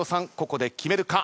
ここで決めるか。